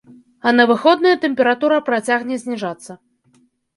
А на выходныя тэмпература працягне зніжацца.